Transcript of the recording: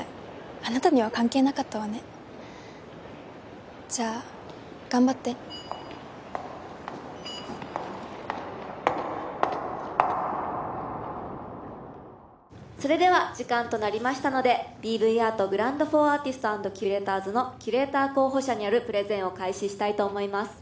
あなたには関係なかったわねじゃあ頑張ってそれでは時間となりましたので「ＢＶＡｒｔＧｒａｎｔｆｏｒＡｒｔｉｓｔｓａｎｄＣｕｒａｔｏｒｓ」のキュレーター候補者によるプレゼンを開始したいと思います